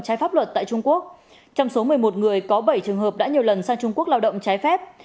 trái pháp luật tại trung quốc trong số một mươi một người có bảy trường hợp đã nhiều lần sang trung quốc lao động trái phép